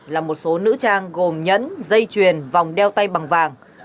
là một số nữ trang gồm nhẫn dây chuyền vòng đeo tay bằng vàng